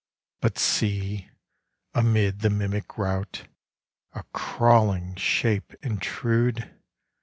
But see, amid the mimic routA crawling shape intrude!